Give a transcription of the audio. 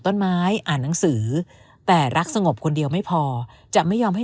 ต้นไม้อ่านหนังสือแต่รักสงบคนเดียวไม่พอจะไม่ยอมให้